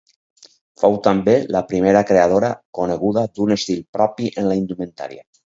Fou també la primera creadora coneguda d’un estil propi en la indumentària.